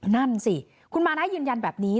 นั่นสิคุณมานะยืนยันแบบนี้